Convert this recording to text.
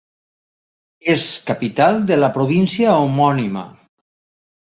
És capital de la província homònima.